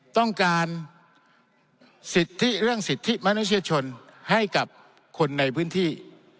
ต้องการสิทธิเรื่องสิทธิมนุษยชนให้กับคนในพื้นที่